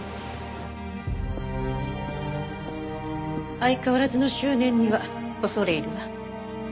相変わらずの執念には恐れ入るわ。